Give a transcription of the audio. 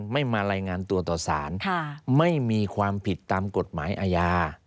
ไม่มารายงานตัวต่อสารไม่มีความผิดตามกฎหมายอาญา